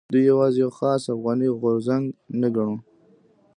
دوی یوازې یو خاص افغاني غورځنګ نه ګڼو.